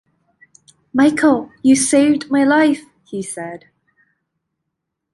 "Michael, you saved my life", he said.